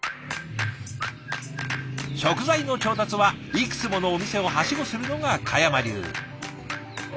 食材の調達はいくつものお店をはしごするのが嘉山流。